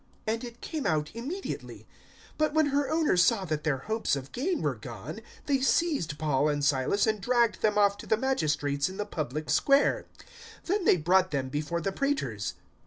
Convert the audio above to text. And it came out immediately. 016:019 But when her owners saw that their hopes of gain were gone, they seized Paul and Silas and dragged them off to the magistrates in the public square. 016:020 Then they brought them before the praetors.